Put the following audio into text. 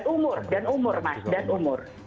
tapi secara keseluruhan tadi kita bisa lihat